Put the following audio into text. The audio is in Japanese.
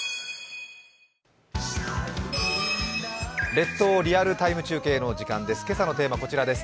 「列島リアルタイム中継」の時間です。